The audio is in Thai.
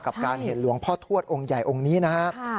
การเห็นหลวงพ่อทวดองค์ใหญ่องค์นี้นะครับ